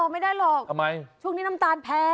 ไม่ได้หรอกทำไมช่วงนี้น้ำตาลแพง